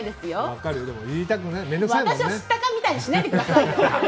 私の知ったかみたいにしないでください。